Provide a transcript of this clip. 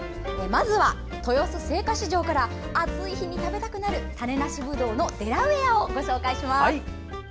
まずは豊洲青果市場から暑い日に食べたくなる種なしぶどうのデラウエアをご紹介します。